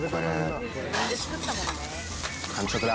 完食だ！